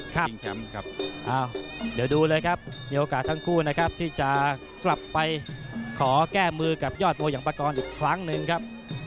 ชิงแชมป์ครับเดี๋ยวดูเลยครับมีโอกาสทั้งคู่นะครับที่จะกลับไปขอแก้มือกับยอดมวยอย่างปากรอีกครั้งหนึ่งครับ